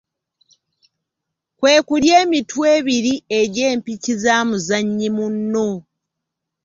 Kwe kulya emitwe ebiri egy’empiki za muzannyi munno.